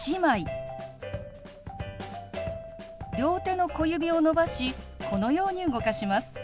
両手の小指を伸ばしこのように動かします。